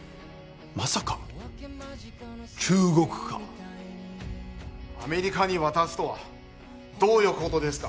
まさか中国かアメリカに渡すとはどういうことですか